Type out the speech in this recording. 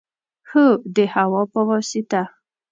هو، د هوا په واسطه